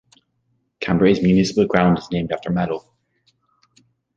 Cambre's municipal ground is named after Mallo.